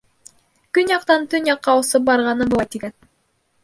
Көньяҡтан төньяҡҡа осоп барғаны былай тигән: